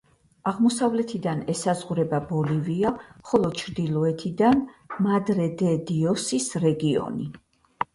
აღმოსავლეთიდან ესაზღვრება ბოლივია, ხოლო ჩრდილოეთიდან მადრე-დე-დიოსის რეგიონი.